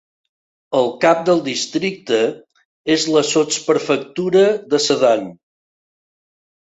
El cap del districte és la sotsprefectura de Sedan.